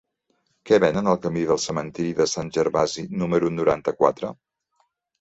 Què venen al camí del Cementiri de Sant Gervasi número noranta-quatre?